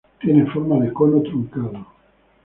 Tiene forma de cono truncado.